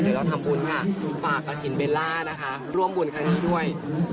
เดี๋ยวเราทำบุญค่ะฝากกระถิ่นเบลล่านะคะร่วมบุญครั้งนี้ด้วย